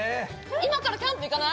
今からキャンプいかない？